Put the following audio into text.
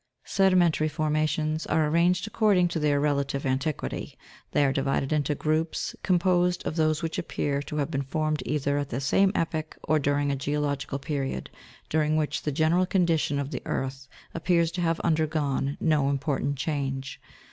3. SEDIMENTARY FORMATIONS are arranged according to their relative antiquity : they are divided into groups, composed of those which appear to have been formed either at the same epoch or during a geological period, during which the general condition of the earth appears to have undergone no important change.